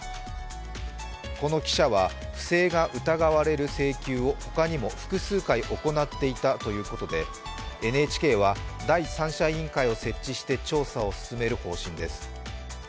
この記者は不正が疑われる請求を他にも複数回行っていたということで、ＮＨＫは第三者委員会を設置して調査を進める方針です。